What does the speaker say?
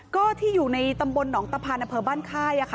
ก็ที่อยู่ในตำบลหนองตภาณภัณฑ์บ้านค่ายค่ะ